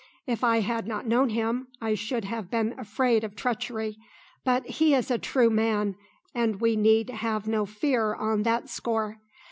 If I had not known him, I should have been afraid of treachery; but he is a true man, and we need have no fear on that score.